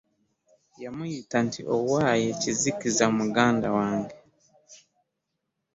Yamuyita nti owaaye kizikiza muganda wange .